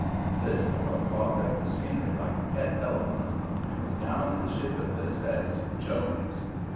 This fellow clogged up the scenery like a pet elephant, and was down in the shipping list as "Jones."